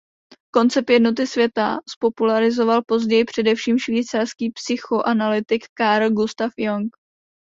Koncept „jednoty světa“ zpopularizoval později především švýcarský psychoanalytik Carl Gustav Jung.